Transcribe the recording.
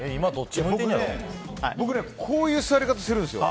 僕こういう座り方するんですよ。